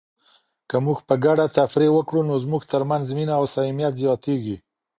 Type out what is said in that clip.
که موږ په ګډه تفریح وکړو نو زموږ ترمنځ مینه او صمیمیت زیاتیږي.